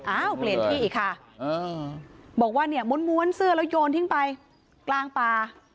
อ้าวเปลี่ยนที่อีกค่ะบอกว่าเนี่ยม้วนเสื้อแล้วโยนทิ้งไปกลางป่า